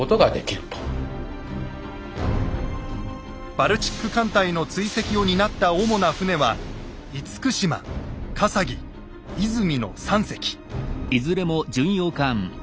バルチック艦隊の追跡を担った主な船はの３隻。